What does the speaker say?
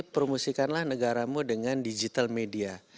promosikanlah negaramu dengan digital media